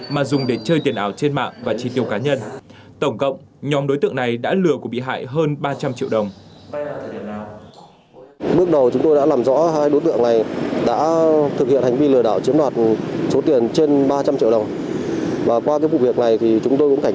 mà dùng để chơi tiền ảo trên mạng và chi tiêu cá nhân